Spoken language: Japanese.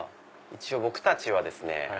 一応僕たちはですね